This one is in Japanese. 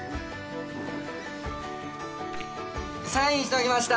サインしときました。